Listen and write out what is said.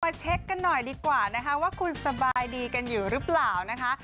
เช็คกันหน่อยดีกว่านะคะว่าคุณสบายดีกันอยู่หรือเปล่านะคะ